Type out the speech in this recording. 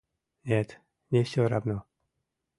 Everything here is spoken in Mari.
Нет, не всё равно.